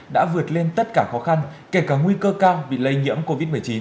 đã vượt lên tất cả khó khăn kể cả nguy cơ cao bị lây nhiễm covid một mươi chín